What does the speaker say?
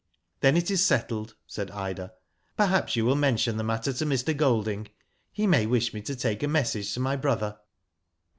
" Then it is settled," said Ida. " Perhaps you will mention the matter to Mr. Golding. He may wish me to take a message to my brother."